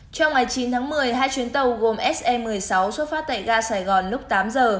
trong ngày chín tháng một mươi hai chuyến tàu gồm se một mươi sáu xuất phát tại ga sài gòn lúc tám giờ